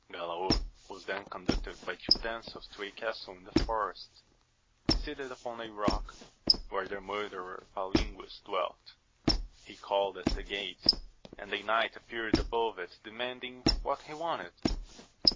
ALAOR was then conducted by two damsels to a castle in a forest, seated upon a rock, where the murderer Palingues dwelt. He called at the gate, and a knight appeared above it, demanding what he wanted.